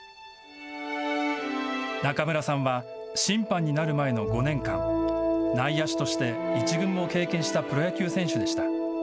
中村さんは審判になる前の５年間内野手として一軍を経験したプロ野球選手でした。